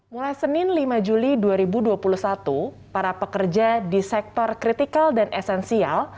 mulai senin lima juli dua ribu dua puluh satu para pekerja di sektor kritikal dan esensial